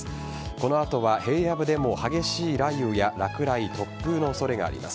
この後は平野部でも激しい雷雨や落雷、突風の恐れがあります。